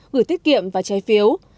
gửi tiết kiệm và trái phiếu